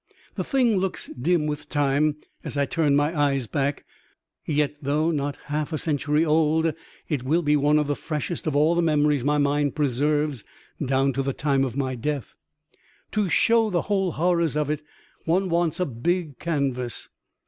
The thing looks dim with time as I turn my eyes back, yet though not half a century old it will be one of the freshest of all the memories my mind preserves down to the time of my death* To show the whole horrors of it one wants a big canvas.